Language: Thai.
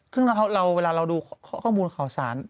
ซึ่งเวลาเราดูข้อมูลข่าวสาร